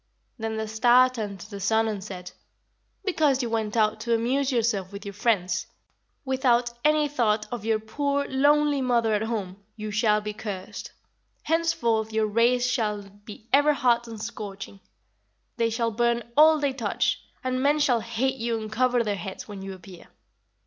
"Then the Star turned to the Sun, and said: 'Because you went out to amuse yourself with your friends, without any thought of your poor, lonely mother at home, you shall be cursed. Henceforth your rays shall be ever hot and scorching. They shall burn all they touch, and men shall hate you and cover their heads when you appear.'